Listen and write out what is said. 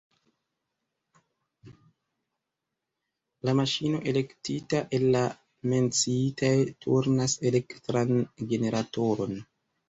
La maŝino elektita el la menciitaj turnas elektran generatoron.